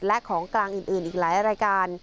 และของกลางอื่นอีกหลายรายการ